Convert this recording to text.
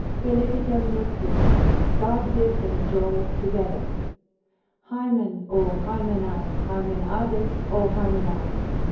Feliciter nuptis, God give them joy together. Hymen O Hymenae, Hymen ades O Hymenaee!